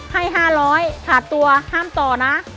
ให้๕๐๐ขาดตัวห้ามต่อนะ